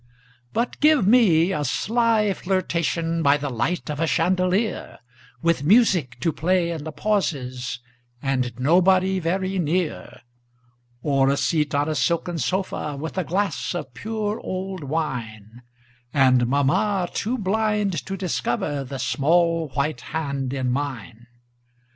But give me a sly flirtation By the light of a chandelier With music to play in the pauses, And nobody very near; Or a seat on a silken sofa, With a glass of pure old wine, And mamma too blind to discover The small white hand in mine.